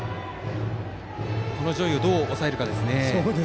この上位を、どう抑えるかですね。